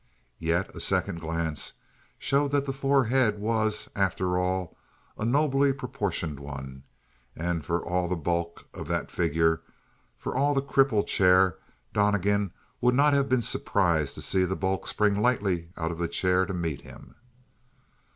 Yet a second glance showed that the forehead was, after all, a nobly proportioned one, and for all the bulk of that figure, for all the cripple chair, Donnegan would not have been surprised to see the bulk spring lightly out of the chair to meet him.